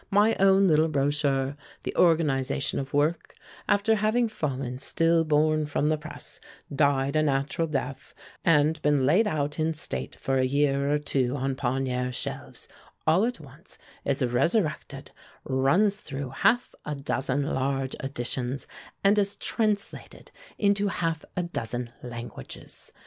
My own little brochure, 'The Organization of Work,' after having fallen stillborn from the press, died a natural death and been laid out in state for a year or two on Pagnerre's shelves, all at once is resurrected, runs through half a dozen large editions, and is translated into half a dozen languages.